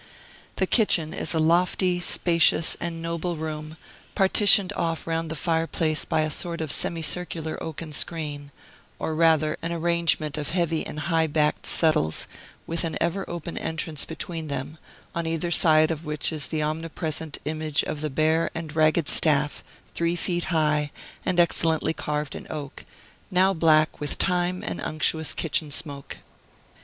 The kitchen is a lofty, spacious, and noble room, partitioned off round the fireplace, by a sort of semicircular oaken screen, or rather, an arrangement of heavy and high backed settles, with an ever open entrance between them, on either side of which is the omnipresent image of the Bear and Ragged Staff, three feet high, and excellently carved in oak, now black with time and unctuous kitchen smoke.